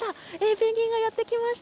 ペンギンがやってきました。